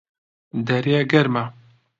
دەرێ گەرمە؟